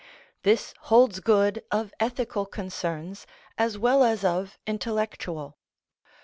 This holds good of ethical concerns as well as of intellectual.